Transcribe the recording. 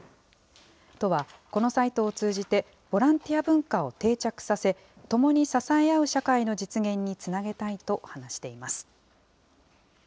都は、このサイトを通じて、ボランティア文化を定着させ、ともに支え合う社会の実現につなげたいと話しています。